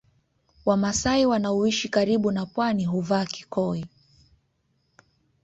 Wamasai wanaoishi karibu na pwani huvaa kikoi